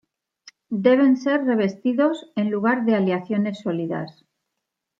Deben ser revestidos en lugar de aleaciones sólidas.